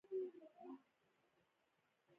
شاوخوا د امريکا اتيا سترې شتمنې څېرې را غونډې شوې وې.